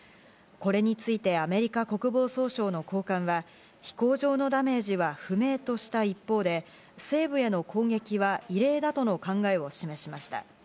これについてアメリカ国防総省の高官は、飛行場のダメージは不明とした一方で、西部への攻撃は異例だとの考えを示しました。